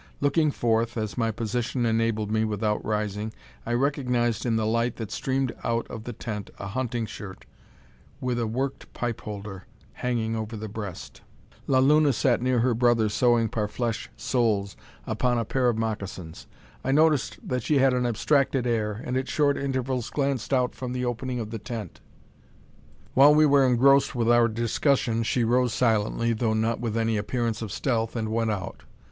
Looking forth, as my position enabled me without rising, I recognised in the light that streamed out of the tent a hunting shirt, with a worked pipe holder hanging over the breast. La Luna sat near her brother, sewing "parfleche" soles upon a pair of moccasins. I noticed that she had an abstracted air, and at short intervals glanced out from the opening of the tent. While we were engrossed with our discussion she rose silently, though not with any appearance of stealth, and went out.